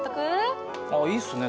いいっすね